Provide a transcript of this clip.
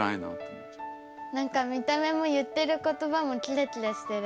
何か見た目も言ってる言葉もキラキラしてる。